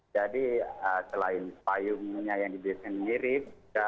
jadi selain payungnya yang dibesarkan mirip